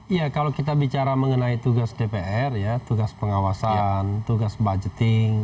iya kalau kita bicara mengenai tugas dpr ya tugas pengawasan tugas budgeting